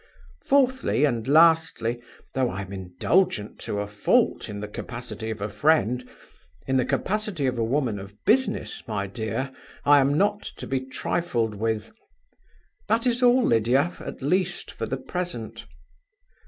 Fourthly and lastly, though I am indulgent to a fault in the capacity of a friend in the capacity of a woman of business, my dear, I am not to be trifled with. That is all, Lydia, at least for the present.